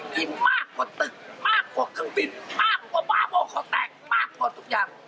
ที่มากกว่าตึกมากกว่าเครื่องบินมากกว่าบ้าบอกเขาแตกมากกว่าทุกอย่าง